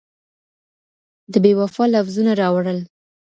د بېوفا لفظونه راوړل